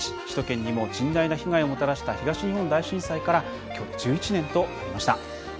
首都圏にも甚大な被害をもたらした東日本大震災からきょうで１１年となりました。